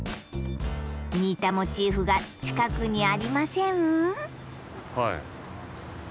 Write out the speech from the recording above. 似たモチーフが近くにありません？